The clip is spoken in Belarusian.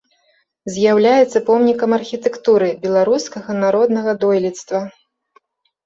З'яўляецца помнікам архітэктуры беларускага народнага дойлідства.